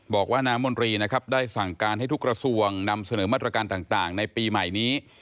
บอกว่าน้ำมนตรีนะครับได้สั่งการให้ทุกกระทรวงนำเสนอมาตรการต่างในปีใหม่นี้